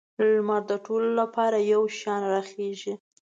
لمر د ټولو لپاره یو شان راخیږي.